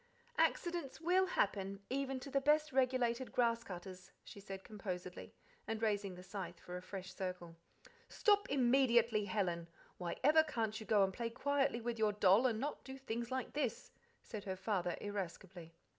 "Accidents WILL happen, even to the best regulated grass cutters," she said composedly, and raising the scythe for a fresh circle. "Stop immediately, Helen! Why ever can't you go and play quietly with your doll, and not do things like this?" said her father irascibly.